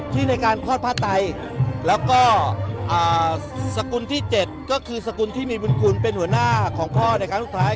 ที่ในการคลอดผ้าไตแล้วก็สกุลที่๗ก็คือสกุลที่มีบุญกุลเป็นหัวหน้าของพ่อในครั้งสุดท้าย